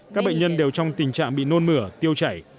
các bệnh nhân đều trong tình trạng bị nôn mửa tiêu chảy